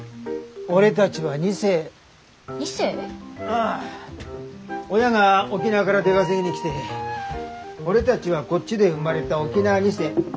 ああ親が沖縄から出稼ぎに来て俺たちはこっちで生まれた沖縄二世。